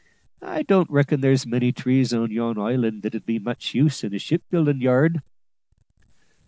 I don't reckon there's many trees on yon island that'd be much use in a ship buildin' yard."